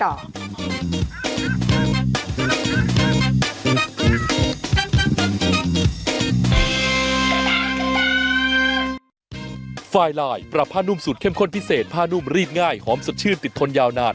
เอาล่ะค่ะไม่มีคำถามที่เราเกี่ยวกับว่า